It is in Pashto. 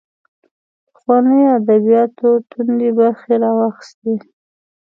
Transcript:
پخوانیو ادبیاتو توندۍ برخې راواخیستې